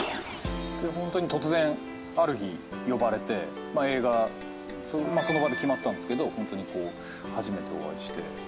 ホントに突然ある日呼ばれて映画その場で決まったんですけどホントに初めてお会いして。